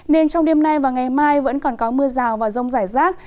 nên trong đêm nay và ngày mai vẫn còn có mưa rào và rông rải rác